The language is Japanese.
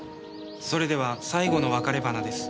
それでは最後の別れ花です。